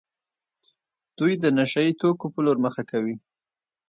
دوی د نشه يي توکو په لور مخه کوي.